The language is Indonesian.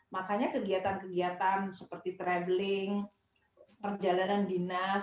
makanya kegiatan kegiatan seperti traveling perjalanan dinas